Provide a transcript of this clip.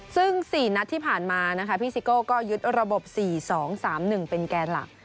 ซึ่ง๔นัดที่ผ่านมานะคะพี่ซิโก้ก็ยึดระบบ๔๒๓๑เป็นแกนหลัก